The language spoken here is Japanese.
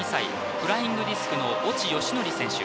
フライングディスクの越智義則選手。